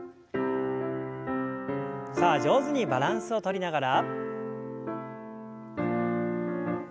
さあ上手にバランスをとりながら。